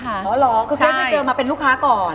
อ๋อเหรอก็เกิดมาเป็นลูกค้าก่อน